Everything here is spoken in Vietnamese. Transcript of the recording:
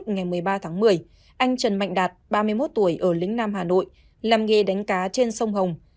ngày một mươi ba tháng một mươi anh trần mạnh đạt ba mươi một tuổi ở lĩnh nam hà nội làm nghề đánh cá trên sông hồng